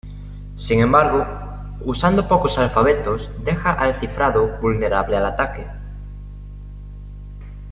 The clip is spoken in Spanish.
Sin embargo, usando pocos alfabetos deja al cifrado vulnerable al ataque.